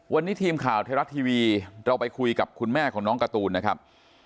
วันนี้ทีมข่าวไทยรัฐทีวีเราไปคุยกับคุณแม่ของน้องการ์ตูนนะครับ